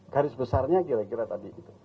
garis besarnya kira kira tadi gitu